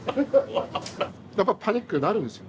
やっぱパニックになるんですよ。